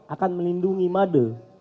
akan melindungi mad